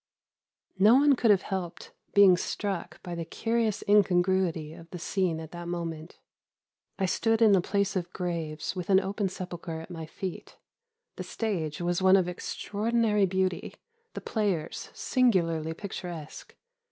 "No one could have helped being struck by the curious incongruity of the scene at that moment. I stood in a place of graves, with an open sepulchre at my feet. The stage was one of extraordinary beauty, the players singularly picturesque.